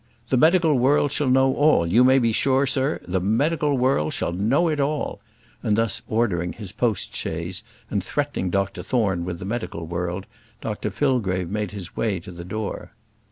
The medical world shall know all; you may be sure, sir, the medical world shall know it all;" and thus, ordering his post chaise, and threatening Dr Thorne with the medical world, Dr Fillgrave made his way to the door.